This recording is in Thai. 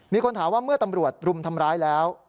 มีคนถามว่าเมื่อตำรวจรุมทำร้ายแล้ว